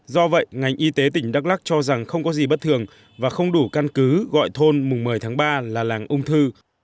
do vậy ngành y tế tỉnh đắk lắc cho rằng không có gì bất thường và không đủ căn cứ gọi thôn mùng một mươi tháng ba là làng ung thư